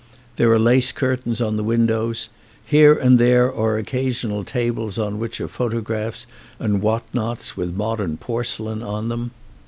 There are lace curtains on the windows. Here and there are occasional tables on which are photographs and what nots with modern porcelain on them.